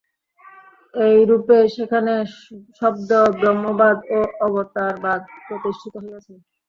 এইরূপে সেখানে শব্দব্রহ্মবাদ ও অবতারবাদ প্রতিষ্ঠিত হইয়াছে।